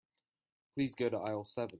Please go to aisle seven.